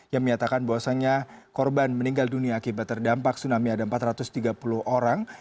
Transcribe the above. yang menyatakan bahwasannya korban meninggal dunia akibat terdampak tsunami ada empat ratus tiga puluh orang